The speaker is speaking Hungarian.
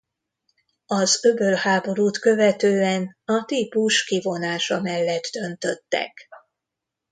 Az öbölháborút követően a típus kivonása mellett döntöttek.